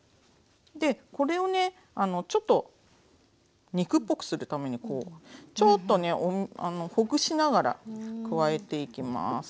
でこれをねちょっと肉っぽくするためにちょっとねほぐしながら加えていきます。